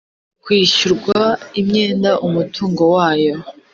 kwishyurwa imyenda umutungo wayo